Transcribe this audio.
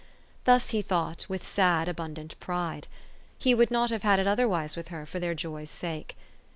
Thus he thought, with sad, abundant pride. He would not have had it otherwise with her for their joy's sake.